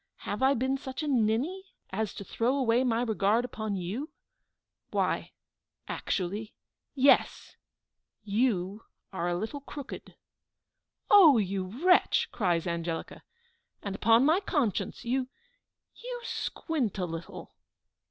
Have I been such a ninny as to throw away my regard upon you? Why actually yes you are a little crooked!" "Oh, you wretch!" cries Angelica. "And, upon my conscience, you you squint a little."